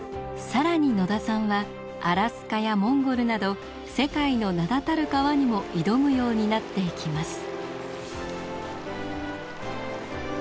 更に野田さんはアラスカやモンゴルなど世界の名だたる川にも挑むようになっていきます。